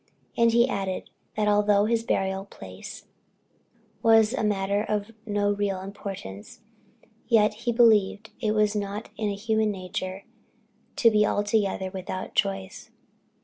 And he added, that although his burial place was a matter of no real importance, yet he believed it was not in human nature to be altogether without a choice.